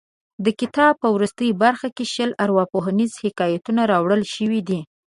د کتاب په وروستۍ برخه کې شل ارواپوهنیز حکایتونه راوړل شوي دي.